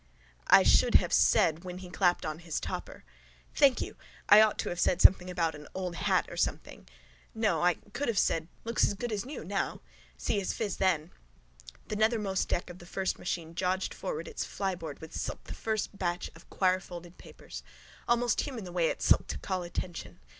I should have said when he clapped on his topper. Thank you. I ought to have said something about an old hat or something. No. I could have said. Looks as good as new now. See his phiz then. Sllt. The nethermost deck of the first machine jogged forward its flyboard with sllt the first batch of quirefolded papers. Sllt. Almost human the way it sllt to call attention.